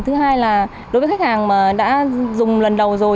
thứ hai là đối với khách hàng mà đã dùng lần đầu rồi